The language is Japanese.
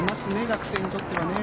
学生にとってはね。